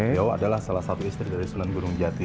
beliau adalah salah satu istri dari sunan gunung jati